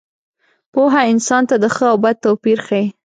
پوهه انسان ته د ښه او بد توپیر ښيي.